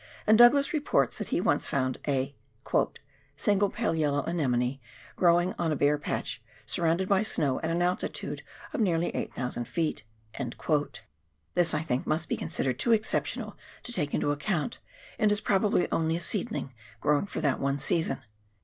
and Douglas reports that he once found a " single pale yellow anemone growing on a bare patch surrounded by snow at an altitude of nearly 8,000 ft." This, I think, must be considered too exceptional to take into account, and is probably only a seedling growing for that one season.